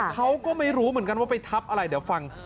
เขาก็ไม่รู้เหมือนกันว่าไปทับอะไรเดี๋ยวฟัง